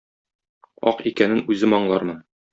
Ак икәнен үзем аңлармын.